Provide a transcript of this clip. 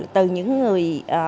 từ những người